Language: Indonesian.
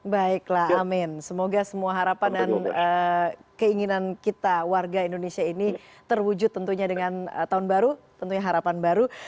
baiklah amin semoga semua harapan dan keinginan kita warga indonesia ini terwujud tentunya dengan tahun baru tentunya harapan baru